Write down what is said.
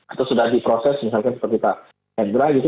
atau sudah diproses misalkan seperti kita